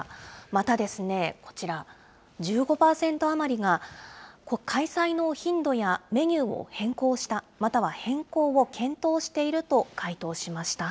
また、こちら、１５％余りが開催の頻度やメニューを変更した、または変更を検討していると回答しました。